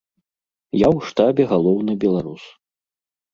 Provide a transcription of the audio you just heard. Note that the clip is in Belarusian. Я ў штабе галоўны беларус.